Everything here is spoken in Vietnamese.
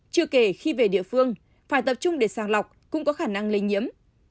chưa kể khi về địa phương phải tập trung để sàng lọc cũng có khả năng lây nhiễm